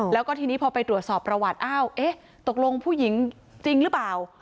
แล้วก็ทีนี้พอไปตรวจสอบประวัติอ้าวเอ๊ะตกลงผู้หญิงจริงหรือเปล่า